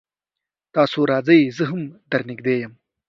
تاسو راځئ زه هم در نږدې يم